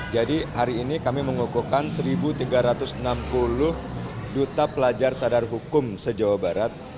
jadi hari ini kami mengukuhkan seribu tiga ratus enam puluh duta pelajar sadar hukum sejawa barat